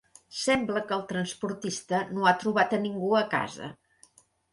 Sembla que el transportista no ha trobat a ningú a casa.